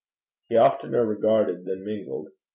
He oftener regarded than mingled.